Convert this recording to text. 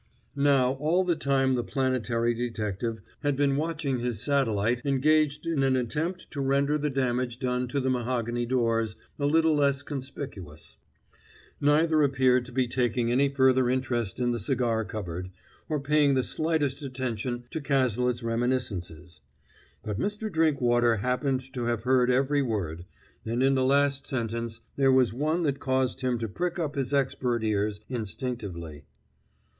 Now all the time the planetary detective had been watching his satellite engaged in an attempt to render the damage done to the mahogany doors a little less conspicuous. Neither appeared to be taking any further interest in the cigar cupboard, or paying the slightest attention to Cazalet's reminiscences. But Mr. Drinkwater happened to have heard every word, and in the last sentence there was one that caused him to prick up his expert ears instinctively.